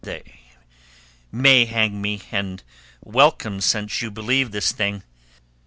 "They may hang me and welcome since you believe this thing.